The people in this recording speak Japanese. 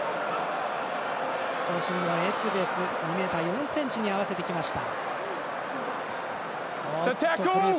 長身のエツベス、２ｍ４ｃｍに合わせてきました。